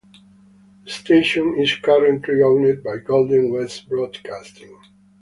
The station is currently owned by Golden West Broadcasting.